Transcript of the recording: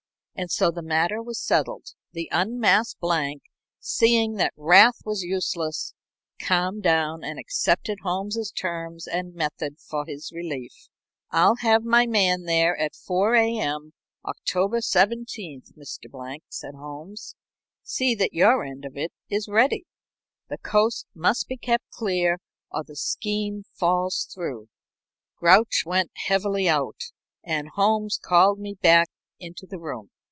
And so the matter was settled. The unmasked Blank, seeing that wrath was useless, calmed down and accepted Holmes's terms and method for his relief. "I'll have my man there at 4 A.M., October 17th, Mr. Blank," said Holmes. "See that your end of it is ready. The coast must be kept clear or the scheme falls through." Grouch went heavily out, and Holmes called me back into the room.